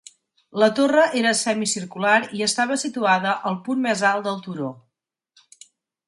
La torre era semicircular i estava situada al punt més alt del turó.